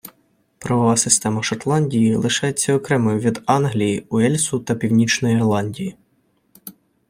Правова система Шотландії залишається окремою від Англії, Уельсу та Північної Ірландії.